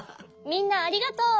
みんなありがとう！